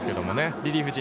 リリーフ陣？